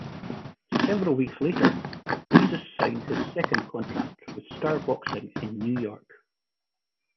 Several weeks later, Jesus signed his second contract with Star Boxing in New York.